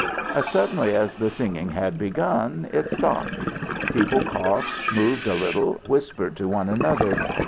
As suddenly as the singing had begun, it stopped. People coughed, moved a little, whispered to one another.